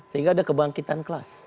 sehingga ada kebangkitan kelas